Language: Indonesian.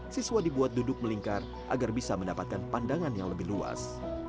siswa dibuat duduk melingkar agar bisa mendapatkan pandangan yang lebih luas